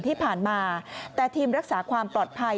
ที่ผ่านมาแต่ทีมรักษาความปลอดภัย